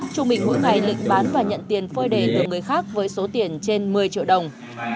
chú mình mỗi ngày lệnh bán và nhận tiền phơi đề từ người khác với số tiền trên một mươi triệu đồng